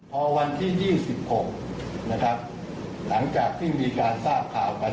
พอวันที่๒๖นะครับหลังจากที่มีการทราบข่าวกัน